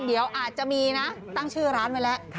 เดี๋ยวอาจจะมีนะตั้งชื่อร้านไว้แล้ว